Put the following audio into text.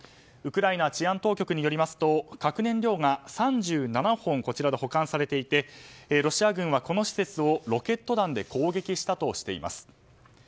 ウクライナ治安当局によりますと核燃料が３７本、こちらで保管されていてロシア軍はこの施設をロケット弾で攻撃したとしています。